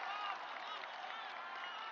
kita belum menyerah